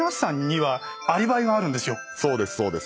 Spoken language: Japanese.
そうですそうです。